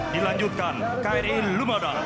dilanjutkan kri lumada